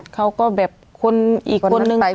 เขาก็แบบคนอีกคนนึงเข้ามา